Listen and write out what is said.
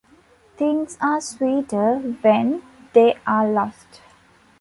Things are sweeter when they're lost.